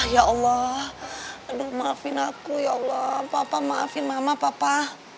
ya allah aduh maafin aku ya allah papa maafin mama papa